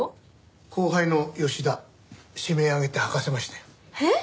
後輩の吉田締め上げて吐かせましたよ。